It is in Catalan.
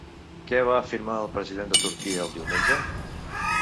Què va afirmar el president de Turquia el diumenge?